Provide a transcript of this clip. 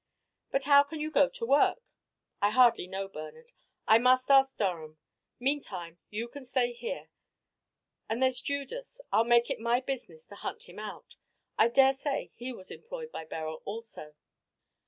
"But how can you go to work?" "I hardly know, Bernard. I must ask Durham. Meantime you can stay here. And there's Judas. I'll make it my business to hunt him out. I daresay he was employed by Beryl also."